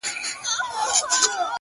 چي ورته سر ټيټ كړمه ! وژاړمه!